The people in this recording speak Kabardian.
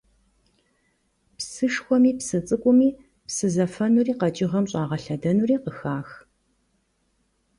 Псышхуэми псы цӀыкӀуми псы зэфэнури къэкӀыгъэм щӏагъэлъэдэнури къыхах.